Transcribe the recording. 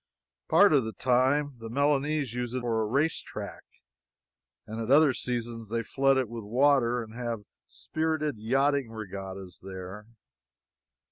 Part of the time, the Milanese use it for a race track, and at other seasons they flood it with water and have spirited yachting regattas there.